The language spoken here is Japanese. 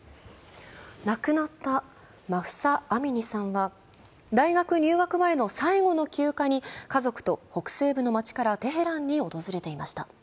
亡くなったマフサ・アミニさんは大学入学前の最後の休暇に家族と北西部の町からテヘランを訪れていました。